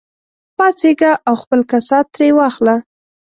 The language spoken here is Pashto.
پاڅېږه او خپل کسات ترې واخله.